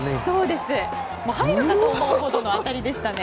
入るかと思うほどの当たりでしたね。